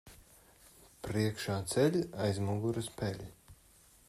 Priekšā ceļ, aiz muguras peļ.